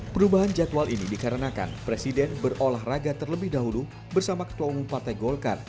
perubahan jadwal ini dikarenakan presiden berolahraga terlebih dahulu bersama ketua umum partai golkar